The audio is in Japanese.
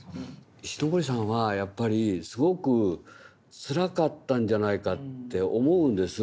石森さんはやっぱりすごくつらかったんじゃないかって思うんです。